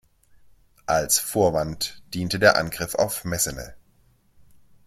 Als Vorwand diente der Angriff auf Messene.